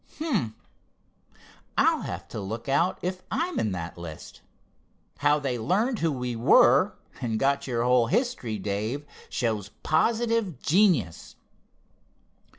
Hum! I'll have to look out if I'm in that list. How they learned who we were, and got your whole history, Dave, shows positive genius."